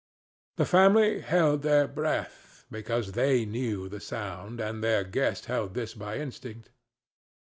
The family held their breath, because they knew the sound, and their guest held his by instinct.